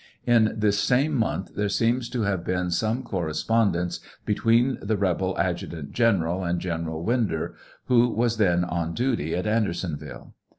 In this same month there seems to have been some correspondence between the rebel adjutant general and General Winder, who was then on duty at Ander sonville.